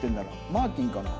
マーティンかな？